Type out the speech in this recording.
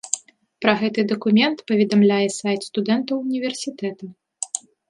Пра гэты дакумент паведамляе сайт студэнтаў універсітэта.